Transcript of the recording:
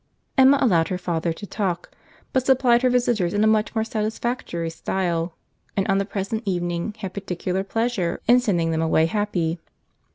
Emma allowed her father to talk—but supplied her visitors in a much more satisfactory style, and on the present evening had particular pleasure in sending them away happy.